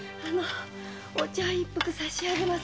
お茶を一服差しあげます